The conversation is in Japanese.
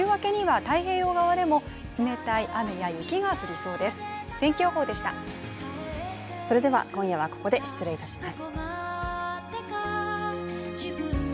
それでは、今夜はここで失礼します。